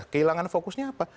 kehilangan fokusnya apa